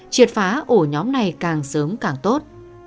triệt phá ổ nhóm này càng sớm càng tốt